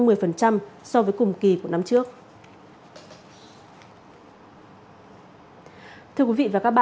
so với cùng kỳ của năm trước